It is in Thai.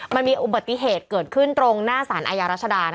ในฐาสานอาญารัชดา